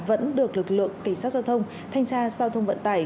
vẫn được lực lượng cảnh sát giao thông thanh tra giao thông vận tải